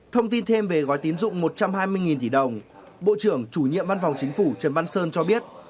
thông tin thêm về gói tín dụng một trăm hai mươi tỷ đồng bộ trưởng chủ nhiệm văn phòng chính phủ trần văn sơn cho biết